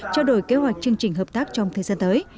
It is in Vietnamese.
trao đổi kế hoạch chương trình hợp tác trong thời gian tới